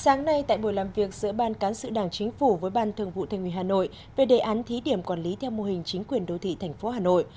sáng nay tại buổi làm việc giữa ban cán sự đảng chính phủ với ban thường vụ thành ủy hà nội về đề án thí điểm quản lý theo mô hình chính quyền đô thị thành phố hà nội